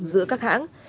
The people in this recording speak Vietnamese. giữa các hãng